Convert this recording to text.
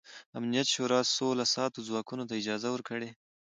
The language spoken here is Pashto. امنیت شورا سوله ساتو ځواکونو ته اجازه ورکړه.